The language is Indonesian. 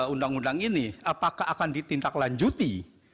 undang undang ini apakah akan ditindaklanjuti